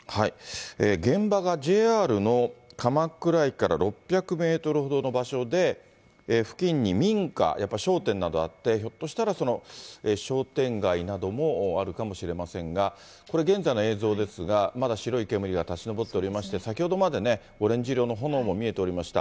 現場がＪＲの鎌倉駅から６００メートルほどの場所で、付近に民家、やっぱり商店などあって、ひょっとしたら、商店街などもあるかもしれませんが、これ現在の映像ですが、まだ白い煙が立ち上っておりまして、先ほどまでね、オレンジ色の炎も見えておりました。